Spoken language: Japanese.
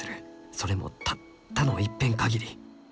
それもたったのいっぺん限り。